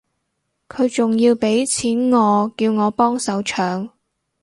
佢仲要畀錢我叫我幫手搶